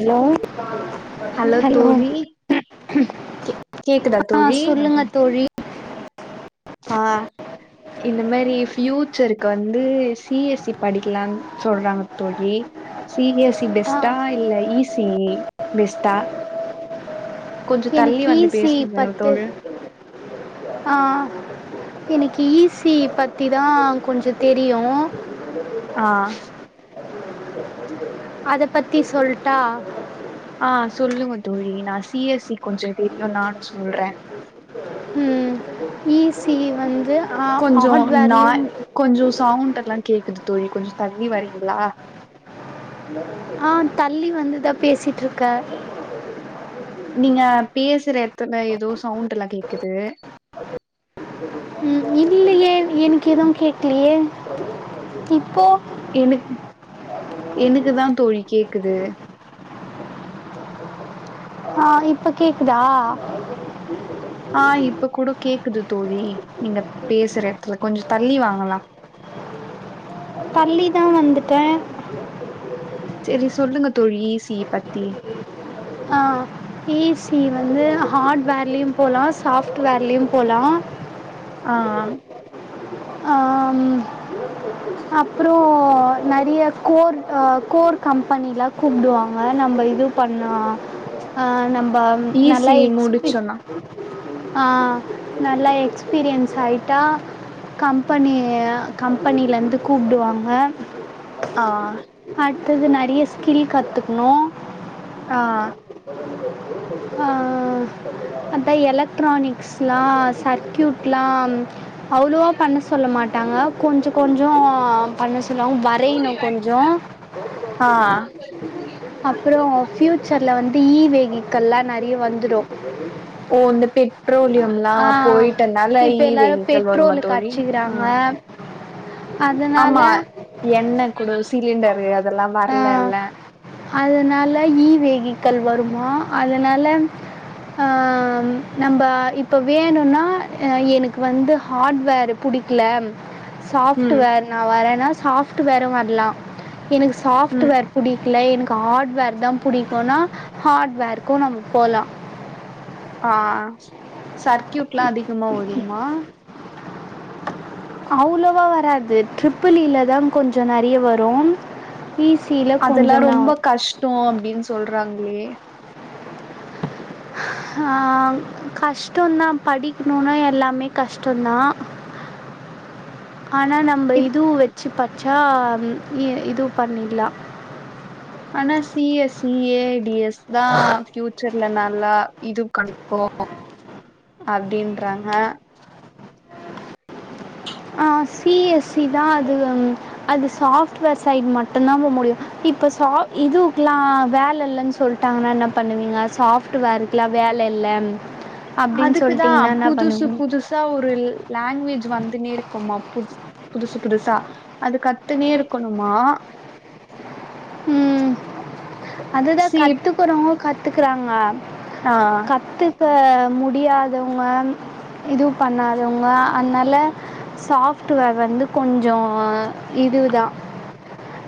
Hello? Hello கே கேக்குதா ஆ தோழி சொல்லுங்க தோழி. ஆ. இந்த மாரி ஃபியூச்சருக்கு வந்து சி எஸ் இ படிக்கலான் சொல்றாங்க தோழி. சி எஸ் இ ஆ பெஸ்டா இல்ல இ சி இ பெஸ்டா? எனுக்கு இ சி இ பத்து ஆ. எனுக்கு இ சி இ பத்திதா கொஞ்சோ தெரியு. ஆ. அத பத்தி சொல்ட்டா? ஆ சொல்லுங்க தோழி நா சி எஸ் இ கொஞ்சோ தெரியு, நானு சொல்றே. ம் இ சி இ வந்து ஆ கொஞ்சோ ஹாட் நா வேர்லியும் கொஞ்சோ சவுண்டெல்லா கேக்குது தோழி கொஞ்சொ தள்ளி வரிங்ளா? ஆ தள்ளி வந்து தா பேசிட்ருக்க. நீங்க பேசுற எட்த்துல எதோ சவுண்டெல்லா கேக்குது. ம் இல்லியே எனக்கு எதும் கேக்லியே இப்போ? எனுக் எனுக்கு தா தோழி கேக்குது. ஆ இப்ப கேக்குதா? ஆ இப்ப கூட கேக்குது தோழி நீங்க பேசுற எட்த்துல கொஞ்சோ தள்ளி வாங்களே. தள்ளி தா வந்துட்டே. செரி சொல்லுங்க தோழி ஸ் ஆ. இ சி இ வந்து ஹாட் வேர்லியும் போலா சாஃப்ட் வேர்லியும் போலா. ஆ ஆஹ. ஆ ம். அப்புறோ நெறிய கோர் ஆ கோர் கம்பெனிலா கூப்டுவாங்க நம்ப இது பண்ணா. ஆ நம்ப ம் ஈ சி நல்லா இ எக்ஸ்பி முடிச்சோனா ஆ நல்லா எக்ஸ்பீரியன்ஸ் ஆயிட்டா. கம்பெனி, கம்பெனிலருந்து கூப்டுவாங்க. ஆ அடுத்தது நெறைய ஸ்கில் கத்துக்கணு ஆ ஆ அதா எலக்ட்ரானிக்ஸ்லா சர்க்யூட்லா அவ்ளவா பண்ண சொல்ல மாட்டாங்க கொஞ்ச கொஞ்சோ பண்ண சொல்வாங் வரைணு கொஞ்சோ ஆ அப்றோ ஃபியூச்சர்ல வந்து ஈ வெகிகல்லா நெறைய வந்துடு ஓ இந்த பெட்ரோலியம்லா போயிட்டனால இப்போ ஈ எல்லாரும் வெயிக்கல் வருமா தோழி ஆ உம். அதனால எண்ணெ கூடோ சிலிண்டரு அதெல்லா வர்லல்ல அதனால ஈ வெகிக்கல் வருமா அதனால ஆ ம் நம்ப இப்ப வேணுன்னா எனக்கு வந்து ஹார்ட்வேரு. புடிக்கல அம் ம் சாப்ட்வேர் நா வரேன்னா சாப்ட்வேரு வர்லா எனக்கு ம் சாப்ட்வேர் புடிக்கல எனக்கு ஹார்ட்வேர் தா புடிக்குன்னா, ஹார்ட்வேர்கு நம்ம போலாம். ஆ சர்க்யூட்லா அதிகமா வருமா? அவ்லோவா வராது ட்ரிபிள் இ லதா கொஞ்சோ நெறைய வரோ அதல்லா ரொம்ப கஷ்டோ அப்டின் சொல்றாங்ளே அ கஷ்டோன்னா படிக்கணுன்னா எல்லாமே கஷ்டோதா ஆனா நம்ப இப் இதுவு வெச்சு பச்சா இ இது பண்ணில்லா ஆனா C S C A D S தா பியூச்சர்ல நல்லா இது கடைக் போ அப்டின்றாங்க ஆ சி எஸ் சி தா அது ம் அது சாஃப்ட்வேர் சைட் மட்டு தா போ முடியு இப்ப சா இதுவுக்லா வேல இல்லன் சொல்டாங்கன்னா என்ன பண்ணுவீங்க சாஃப்ட் வேருக்லா வேல இல்லன் அதுக்குதா புதுசு புதுசா ஒரு லாங்வேஜ் வந்துனே இருக்குமா புது புதுசு புதுசா அது கத்துனே இருக்கணுமா ம் அதுதா சி கத்துக்குறங்கோ கத்துக்குறாங்க ஆ கத்துக்க முடியாதவங்க இது பண்ணாதவங்க அன்னால சாஃப்ட்வேர் வந்து கொஞ்சோ இது தா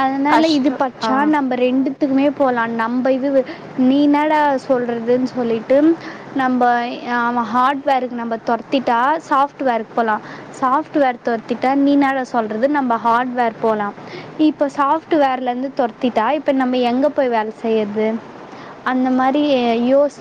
அதுனால இது கஷ்டோ ஆ பச்சா நம்ப ரெண்டுத்துக்குமே போலா நம்ப இது நீனாட சொல்றதுன் சொல்லிட்டு நம்ப அவே ஹாட்வேருக்கு நம்ப தொரத்திட்டா சாஃப்ட்வேருக்கு போலா சாஃப்ட்வேர் தொர்திட்டா நீனாடா சொல்றது நம்ப ஹார்ட்வேர் போலா இ இப்ப சாப்ட்வேர்லந்து தொர்திட்டா இப்ப நம்ப எங்க போய் வேல செய்றது அந்த மாரி யோஸ்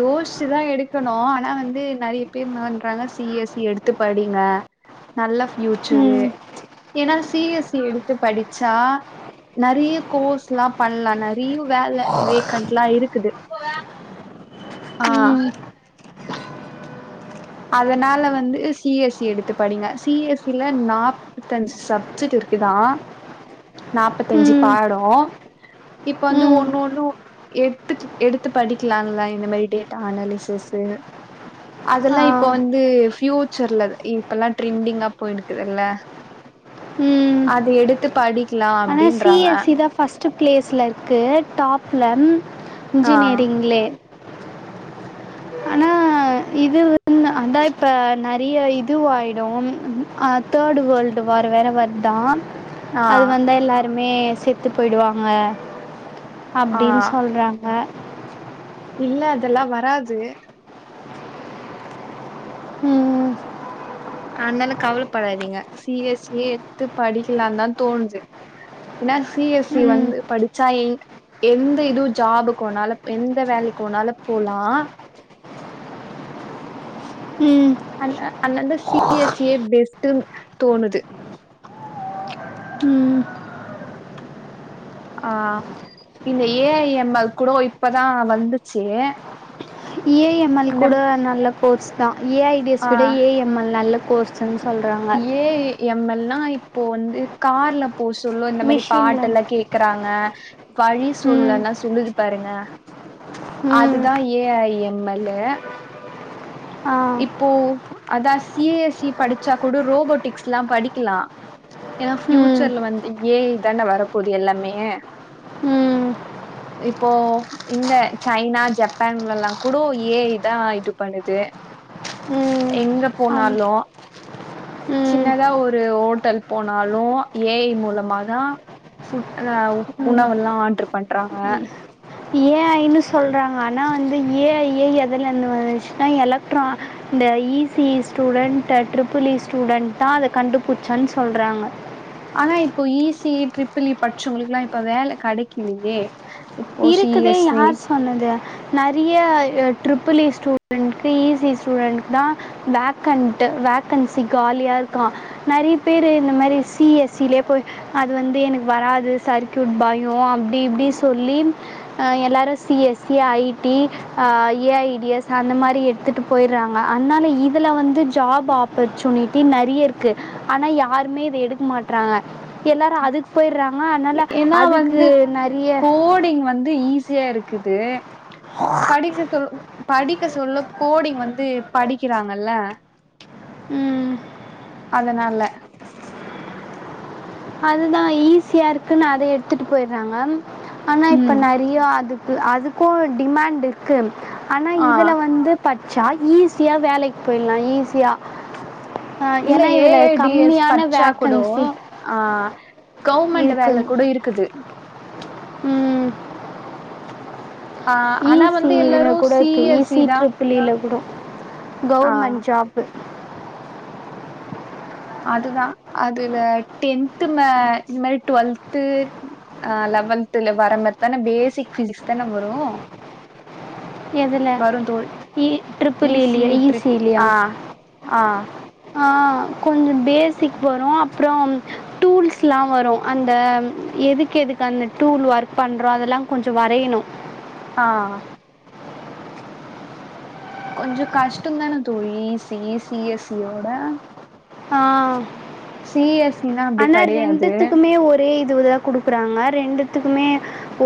யோச்சிதா எடுக்கணு ஆனா வந்து நெறைய பேர் இன்னான்றாங்க சி எஸ் சி எடுத்து படிங்க நல்ல ஃபியூச்சரு ம் ஏனா சி எஸ் சி எடுத்து படிச்சா நறையா கோர்ஸ் லாம் பண்லா நறையா வேல வேக்கண்ட்லா இருக்குது ஆ ம் அதனால வந்து சி எஸ் சி எடுத்து படிங்க சி எஸ் சில நா டன் சப்ஜெக்ட் இருக்குதா நாப்பதஞ்சு ம் பாடோ இப்ப வந்து ம் ஒண்ணொண்ணு எத்து எடுத்து படிக்கலால இந்த மாரி டேட்டா அனாலிசிஸ்சு ஆ அதெல்லா இப் ப்ப வந்து ஃபியூச்சர்ல இப்பலா ட்ரெண்டிங்கா போய்ட்டுருகுல்ல அது எடுத்து படிக்கலா சி அப்டின்றாங்க எஸ் சி தான் ஃபஸ்டு ப்ளேஸ்ல இருக்கு டாப்ல ஆ இன்ஜினியரிங்ல்லே ஆனா இது மட்டுதா அதா இப்ப நரியா இது வாய்டும் ஆ தேடு வேல்டு வார் வேற வர் தான் ஆ அது வந்தா எல்லாருமே செத்து போயிடுவாங்க ஆ அப்டின் சொல்றாங்க அ இல்ல அதெல்லா வராது ம் அனால கவலப்படாதீங்க சி எஸ் ஏ எத்து படிக்கலா தா தோணுது இன்னா சி எஸ் சி வந்து படிச்சா ஏங் எந்த இதுவும் ஜாபுக்குனால எந்த வேலைக்குனாலும் போலா ம் அன் அ அல்லந்து சி பி எஸ் இயே பெஸ்டு தோணுது ம் ஆ இந்த ஏ ஐ எம் எல் கூட இப்பதான் வந்துச்சு எம் எல் இந்த கூட நல்ல கோர்ஸ் தான் ஏ ஐ டி எஸ் ஆ விட ஏ எம் எல் நல்ல கோர்ஸ்ன்னு சொல்றாங்க ஏ எம் எல் னா இப்போ வந்து கார்ல போ சொல்லு இந்த மேரி பாட்டு மிஷினில் எல்லா கேக்குறாங்க வழி ம் சொல்லல்லாம் சொல்லுது பாருங்க ம் அதுதான் ஏ ஐ எம் எல்லு ஆ இப்போ அதா சி ஏ எஸ் சி படிச்சா கூட ரோபோட்டிக்ஸ்ல்லாம் படிக்கலாம் ஏன்னா ம் ஃபியூச்சர்ல வந்து ஏ ஐ தான வரப்போது எல்லாமே ம் ம் இப்போ இங்க சைனா ஜப்பான்லல்லாம் கூடோ ஏ ஐ தான் இது பண்ணுது எங்க ஆம் போனாலு ம் சின்னதா ஒரு ஹோட்டல் போனாலும் ஏ ஐ மூலமாதான் புட் அ ம் உணவல்லாம் ஆர்டர் பண்றாங்க ஏ ஐ னு சொல்றாங்க ஆனா வந்து ஏ ஐ எ எதல இருந்து வந்துச்சுன்னா எலக்ட்ரான் இந்த E C student triple E student தான் அத கண்டுபிடிச்சன்னு சொல்றாங்க ஆனா இப்போ ஈசி ட்ரிப்பிள் ஈ படிச்வங்களுக்குல்லாம் இப்ப வேல கிடைக்கலையே இருக்குதே யார் சொன்னது நறையா ட்ரிபிள் இ ஸ்டூடெண்ட்கு ஈ சி ஸ்டூடெண்ட்கு தான் வேக்கண்ட் வேக்கன்சி காலியா இருக்கா நறையா பேரு இந்த மேரி சி எஸ் சிலயே போய் அது வந்து எனக்கு வராது சர்க்கியூட் பயோ அப்டி இப்டி சொல்லி அ எல்லாரு C S C I T அ ஏ ஐ டிஸ் அந்த மாரி எட்த்துட்டு போயர்றாங்க அன்னால இதல வந்து ஜாப் ஆப் ப்பர்ச்சுனிட்டி நெறைய இருக்கு ஆனா யாருமே இத எடுக்க மாட்றாங்க எல்லாரு அதுக் போயிர்றாங்க அன்னால அதுக்கு நெறைய்ய போடிங் வந்து ஈஸ் சியா இருக்குது படிக்க சொல் படிக்க சொல்ல கோடிங் வந்து படிக்கிறாங்கல்ல ம் அதனால அதுதா ஈஸியா இருக்குனு அத எட்த்துட்டு போயர்றாங்க ஆனா இப்ப ம் நெ றையா அதுக்கு அதுக்கு டிமேண்ட்ருக்கு ஆனா ஆ இதல வந்துப் பட்ச்சா ஈஸியா வேலைக் போயில்லா ஈஸியா அ இல்ல எனா ஏ இதல ஐ டி எஸ் கம்மியான பட்ச்சா கூடோ வேக்கன்சி ஆ கவுர்மெண்ட்டு வேல கூட இருக்குது ம் ஆ ஆனா ஈஸி வந்து இவிங்க எல்லாரு கூட சி இருக்கு எஸ் சி ஈசி தா ட்ரிப்பிள் ஈ ல கூடோ ஆ கவுர்மெண்ட் ஜாபு அதுதா அதுல டென்த்து மே இந்த மேரி டுவெல்த்து அ லெவன்த்துல வர மேரித்தானே பேசிக் பிசிக்ஸ் தானே வரு எதல வரு தோழி இ ட்ரிப்புள் ஈ ஈஸி லியா ஈ ஸி ட்ரிப் லியா ஆ ஆ ஆ கொஞ்சம் பேசிக் வரு அப்றம் டூல்ஸ்லா வரு அந்தம் எதுக்கெதுக்கு அந்த டூல் ஒர்க் பண்றோ அதெலாங் கொஞ்ச வரையணு ஆ கொஞ்ச கஷ்டந்தானே தோழி E C E C S சியோட ஆ எஸ் சி னா அப்டி ஆனா கெடையாது ரெண்டுத்துக்குமே ஒ ஒரே இதுவுதா குடுக்கறாங்க ரெண்டுத்துக்குமே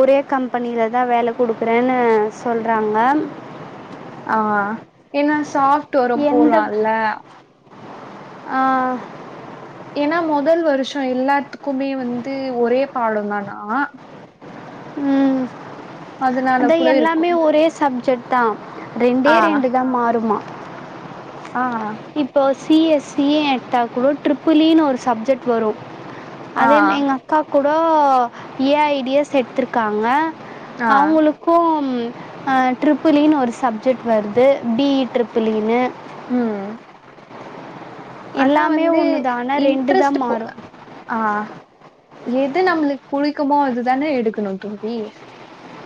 ஒரே கம்பெனிலதா வேல குடுக்கறேனு சொல்றாங்க ஆ எனா சாப்ட்டுவொற போலால்ல ஆ ஏனா மொதல் வருஷ எல்லாத்துக்குமே வந்து ஒரே பாடந்தானா ம் அதனால அதா கூட இருக்கு எல்லாமே ஒரே சப்ஜெக்ட்தா ரெண்டே ஆ ரெண்டுதா மாறுமா ஆ இப்போ சி எஸ் சி எட்த்தா கூடோ ட்ரிப்புள் ஈ னு ஒரு சப்ஜெக்ட் வரு ஆ அதேம் எங்கக்கா கூடோ ஏ ஐ டி எஸ் எட்த்துருக்காங்க ஆ அவுங்குளுக் கும் அ ட்ரிப்புள் ஈ னு ஒரு சப்ஜெக்ட் வருது பி இ ட்ரிப்புள் ஈ னு ம் அண்ணா எல்லாமே வந்து ஒன்று தான் ஆனால் ரெண்டு இன்ட்ரெஸ்ட்ப் தான் போ மாறும் ஆ எது நம்ளுக் புளிக்குமோ அதுதானே எடுக்கணுந் தோழி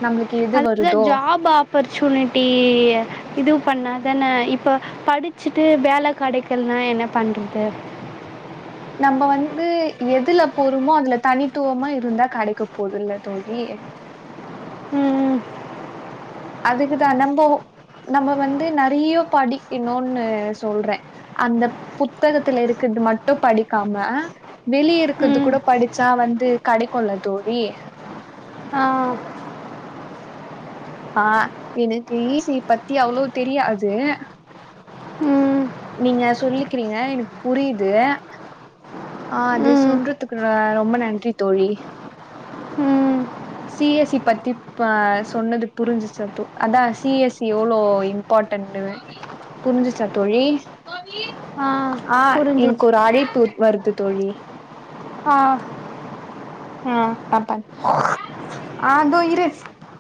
நம்ளுக்கு இது வ த ஜாப் ஆப்பர்ச்சுனிட்டிய இதுவு பண்ணாதான இப்ப படிச்சுட்டு வேல கெடைக்கல்னா என்னப் பண்றது நம்ப வந்து எதுல பொறுமோ அதுல தனித்துவமா இருந்தா கடைக்கப் போதுல்ல தோழி ம் ம் அதுக்குதா நம்ப நம்ம வந்து நெறைய படிக்கணுன்னு சொ ல்றே அந்த புத்தகத்துல இருக்றது மட்டு படிக்காம வெளிய இருக்கது ம் கூட படிச்சா வந்து கெடைக்குல்ல தோழி ஆ ஆ எனக்கு ஈ ஸி ஈ பத்தி அவ்ளோ தெரியாது ம் நீங்க சொல்லிக்கிறீங்க எனக்கு புரியுது ஆ அது ம் சொல்றதுக்கு ர ரொம்ப நன்றி தோழி ம் சி எஸ் சி பத்தி இப்ப சொன்னது புரிஞ்சுச்சா தோ அதா சி எஸ் சி எவ்ளோ இம் பார்ட்டண்ட்டுன்னு புரிஞ்சுச்சா தோழி ஆ புரிஞ்சிச்சு எனக்கு ஒரு அழைப்பு வருது தோழி ஆ ஆ பாத்தாரு